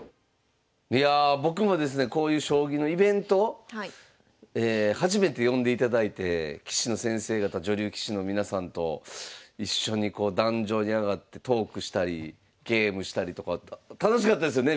いやあ僕もですねこういう将棋のイベント初めて呼んでいただいて棋士の先生方女流棋士の皆さんと一緒にこう壇上に上がってトークしたりゲームしたりとか楽しかったですよね